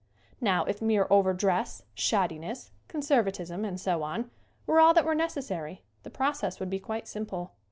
Now if mere over dress, shoddiness, con servatism, and so on, were all that were neces sary the process would be quite simple.